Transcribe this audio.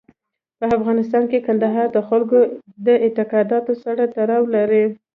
په افغانستان کې کندهار د خلکو د اعتقاداتو سره تړاو لري.